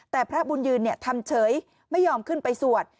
แต่พระบุญยืนทำเฉยไม่ยอมขึ้นไปสวด